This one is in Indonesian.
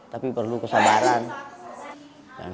tapi perlu kesabaran